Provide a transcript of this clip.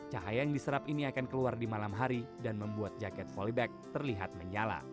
cahaya yang diserap ini akan keluar di malam hari dan membuat jaket volleybag terlihat menyala